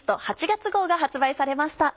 月号が発売されました。